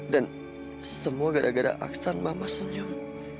dan semua gara gara aksan mama senyum